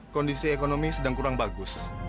kondisi ekonomi sedang kurang bagus